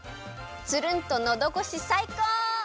つるんとのどごしさいこう！